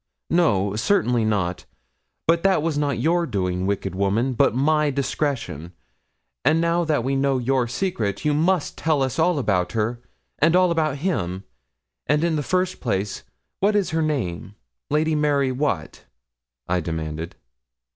'No, certainly not; but that was not your doing, wicked woman, but my discretion. And now that we know your secret, you must tell us all about her, and all about him; and in the first place, what is her name Lady Mary what?' I demanded.